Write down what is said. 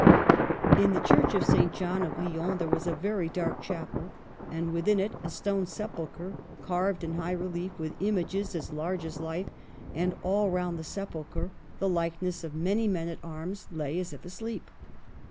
In the Church of St. John of Lyons there was a very dark chapel, and within it a stone sepulchre carved in high relief with images as large as life, and all round the sepulchre the likeness of many men at arms lay as if asleep.